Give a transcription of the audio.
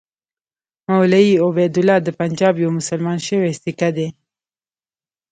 مولوي عبیدالله د پنجاب یو مسلمان شوی سیکه دی.